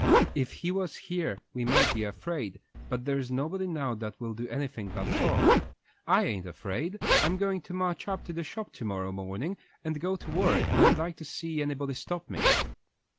If he was here we might be afraid, but there's nobody now that will do anything but talk. I ain't afraid. I'm going to march up to the shop to morrow morning and go to work, and I'd like to see anybody stop me."